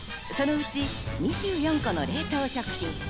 そのうち２４個の冷凍食品。